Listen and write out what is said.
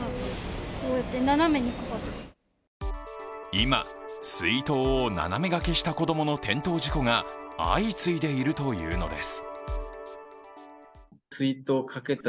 今、水筒を斜めがけした子供の転倒事故が相次いでいるというのです。